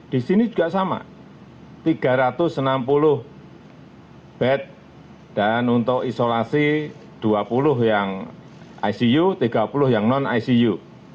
di sini juga sama tiga ratus enam puluh bed dan untuk isolasi dua puluh yang icu tiga puluh yang non icu